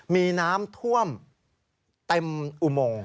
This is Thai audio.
มีน้ำท่วมเต็มอุโมง